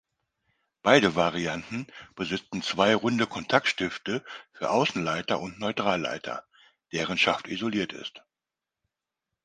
Beide Varianten besitzen zwei runde Kontaktstifte für Außenleiter und Neutralleiter, deren Schaft isoliert ist.